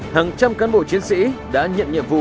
hàng trăm cán bộ chiến sĩ đã nhận nhiệm vụ